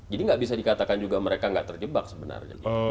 jadi nggak bisa dikatakan juga mereka nggak terjebak sebenarnya